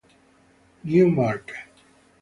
New Market